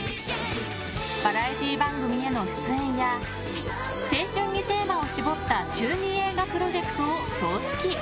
バラエティー番組への出演や青春にテーマを絞った中２映画プロジェクトを総指揮。